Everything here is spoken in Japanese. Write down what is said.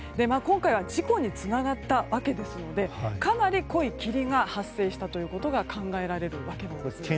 今回は事故につながったわけですのでかなり濃い霧が発生したことが考えられるわけです。